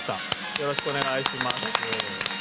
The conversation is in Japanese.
よろしくお願いします。